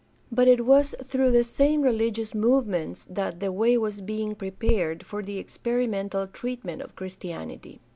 — But it was through the same religious movements that the way was being pre pared for the experimental treatment of Christianity.